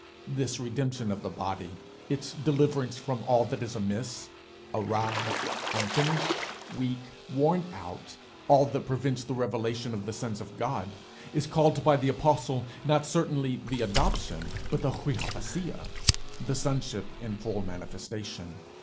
This redemption of the body its deliverance from all that is amiss, awry, unfinished, weak, worn out, all that prevents the revelation of the sons of God, is called by the apostle, not certainly the adoption, but the [Greek: niothesia], the sonship in full manifestation.